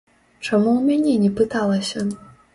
Чаму ў мяне не пыталася?